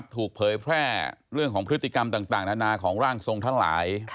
เผยแพร่เรื่องของพฤติกรรมต่างนานาของร่างทรงทั้งหลาย